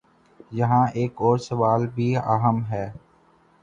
یہاں ایک اور سوال بھی اہم ہے۔